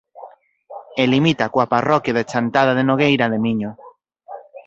E limita coa parroquia de Chantada de Nogueira de Miño.